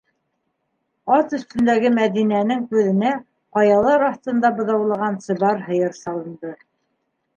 - Ат өҫтөндәге Мәҙинәнең күҙенә ҡаялар аҫтында быҙаулаған сыбар һыйыр салынды.